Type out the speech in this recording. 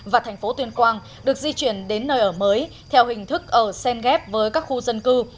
và thành phố tuyên quang được di chuyển đến nơi ở mới theo hình thức ở sen ghép với các khu dân cư